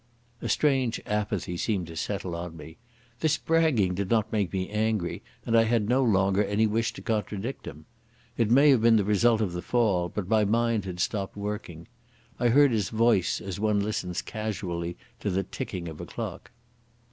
A great apathy seemed to settle on me. This bragging did not make me angry, and I had no longer any wish to contradict him. It may have been the result of the fall, but my mind had stopped working. I heard his voice as one listens casually to the ticking of a clock.